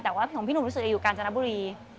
แต่ว่าของพี่หนุ่มรู้สึกจะอยู่กาญจนบุรี